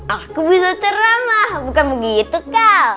aku bisa ceramah bukan begitu kal